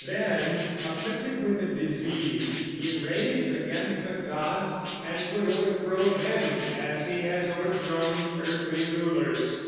Then, afflicted with disease, he raves against the gods and would overthrow them as he has overthrown earthly rulers.